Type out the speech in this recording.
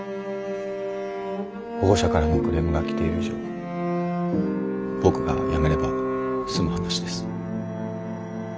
保護者からもクレームが来ている以上僕が辞めれば済む話です。